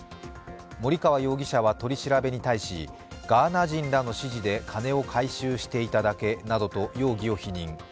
森川容疑者は取り調べに対し、ガーナ人らの指示で金を回収していただけなどと容疑を否認。